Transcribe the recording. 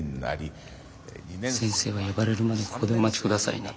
先生は呼ばれるまでここでお待ちくださいね。